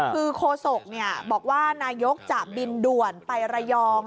คือโคศกบอกว่านายกจะบินด่วนไประยอง